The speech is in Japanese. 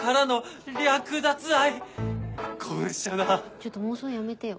ちょっと妄想やめてよ。